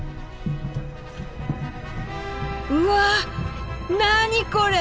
うわっ何これ！？